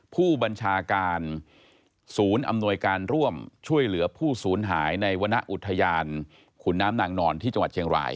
ผู้บัญชาการศูนย์อำนวยการร่วมช่วยเหลือผู้ศูนย์หายในวรรณอุทยานขุนน้ำนางนอนที่จังหวัดเชียงราย